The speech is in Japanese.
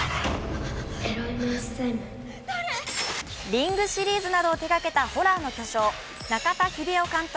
「リング」シリーズなどを手がけたホラーの巨匠、中田秀夫監督